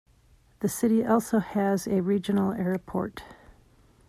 The city also has a regional airport.